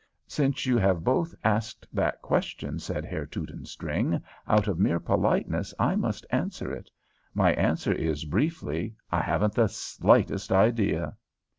"Since you have both asked that question," said Herr Teutonstring, "out of mere politeness I must answer it. My answer is, briefly, I haven't the slightest idea."